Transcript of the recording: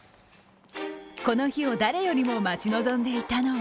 この日を誰よりも待ち望んでいたのは